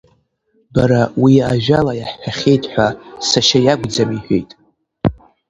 Бара, уи ажәала иаҳҳәахьеит ҳәа сашьа иакәӡам, — иҳәеит.